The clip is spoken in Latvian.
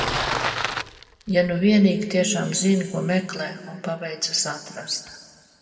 Ja nu vienīgi tiešām zini ko meklē un paveicas atrast.